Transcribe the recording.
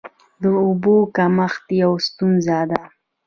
د اوبو کمښت یوه ستونزه ده.